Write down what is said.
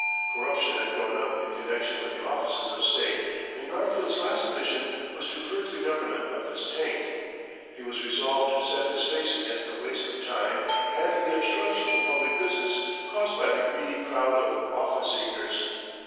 Corruption had grown up in connection with the offices of State, and Garfield's last mission was to purge the Government of this taint. He was resolved to set his face against "the waste of time and the obstruction to public business caused by the greedy crowd of office seekers."